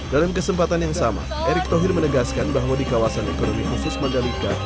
dalam kesempatan yang sama erick thohir menegaskan bahwa di kawasan ekonomi khusus mandalika